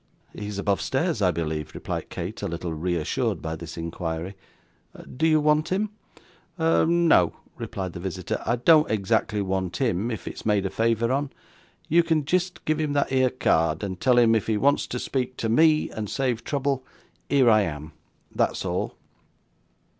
'He is above stairs, I believe,' replied Kate, a little reassured by this inquiry. 'Do you want him?' 'No,' replied the visitor. 'I don't ezactly want him, if it's made a favour on. You can jist give him that 'ere card, and tell him if he wants to speak to ME, and save trouble, here I am; that's all.